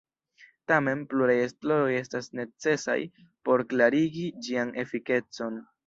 Tamen, pluraj esploroj estas necesaj por klarigi ĝian efikecon.